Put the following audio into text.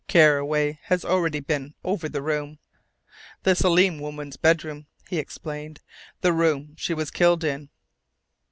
Carraway has already been over the room.... The Selim woman's bedroom," he explained. "The room she was killed in."